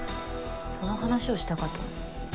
その話をしたかったの？